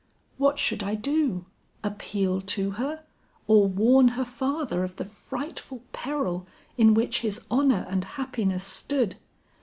What should I do? Appeal to her, or warn her father of the frightful peril in which his honor and happiness stood?